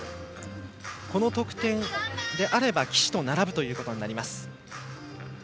この得点であれば岸と並ぶことになります。